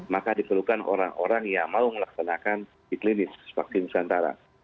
maka diperlukan orang orang yang mau melaksanakan uji klinis vaksin nusantara